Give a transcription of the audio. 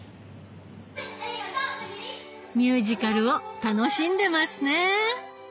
ミュージカルを楽しんでますね。